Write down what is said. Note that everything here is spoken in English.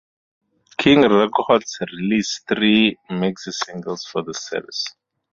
King Records released three maxi singles for the series.